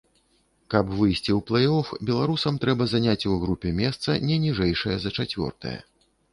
Каб выйсці ў плэй-оф, беларусам трэба заняць у групе месца, не ніжэйшае за чацвёртае.